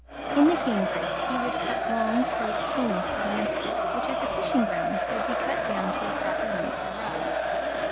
In the cane brake he would cut long, straight canes for lances, which at the fishing ground would be cut down to a proper length for rods.